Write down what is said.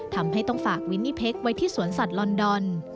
ทำให้ต้องฝากวินนี่เพคไว้ที่สวนสัตว์ลอนดอน